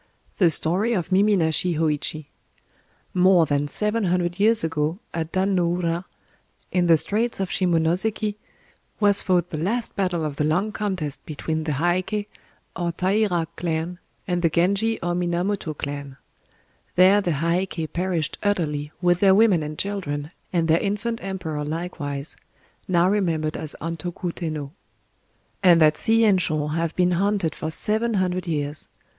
KWAIDAN THE STORY OF MIMI NASHI HŌÏCHI More than seven hundred years ago, at Dan no ura, in the Straits of Shimonoséki, was fought the last battle of the long contest between the Heiké, or Taira clan, and the Genji, or Minamoto clan. There the Heiké perished utterly, with their women and children, and their infant emperor likewise—now remembered as Antoku Tennō. And that sea and shore have been haunted for seven hundred years...